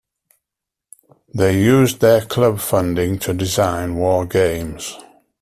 They used their club funding to design war games.